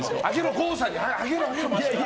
郷さんにあげろ！